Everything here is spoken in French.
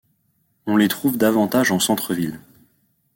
On les trouve davantage en centre-ville.